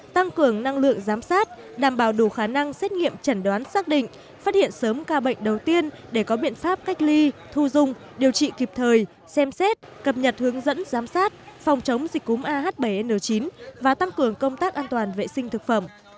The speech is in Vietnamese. tăng cường năng lượng giám sát đảm bảo đủ khả năng xét nghiệm chẩn đoán xác định phát hiện sớm ca bệnh đầu tiên để có biện pháp cách ly thu dung điều trị kịp thời xem xét cập nhật hướng dẫn giám sát phòng chống dịch cúm ah bảy n chín và tăng cường công tác an toàn vệ sinh thực phẩm